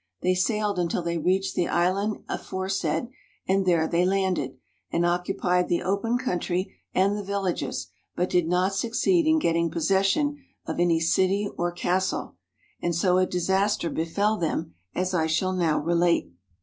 They sailed until they reached the island aforesaid, and there they landed, and oc cupied the open country and the villages, but did not suc ceed in getting possession of any city or castle. And so a disaster befell them, as I shall now relate.